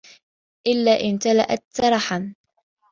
إلَّا امْتَلَأَتْ تَرَحًا